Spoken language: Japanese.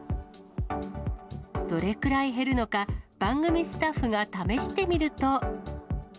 どれくらい減るのか、番組スタッフが試してみると。